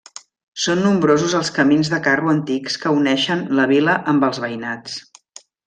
Són nombrosos els camins de carro antics que uneixen la vila amb els veïnats.